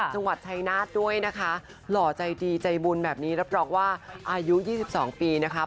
จังหวัดชายนาฏด้วยนะคะหล่อใจดีใจบุญแบบนี้รับรองว่าอายุ๒๒ปีนะคะ